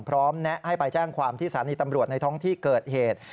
แนะให้ไปแจ้งความที่สถานีตำรวจในท้องที่เกิดเหตุ